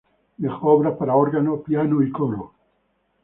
Dejó obras para órgano, piano y coro.